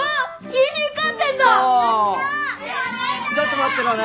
ちょっと待ってろな。